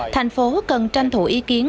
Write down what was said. thành phố cần tranh thủ ý kiến